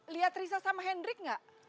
lihat riza sama hendrik nggak